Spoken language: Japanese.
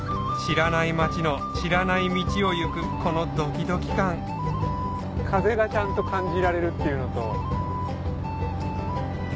知らない町の知らない道を行くこのドキドキ感風がちゃんと感じられるっていうのと。